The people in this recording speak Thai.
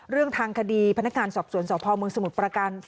เรื่องทางคดีพนักงานสอบสวนสพเมืองสมุทรประการ